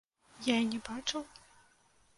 Я і не бачу!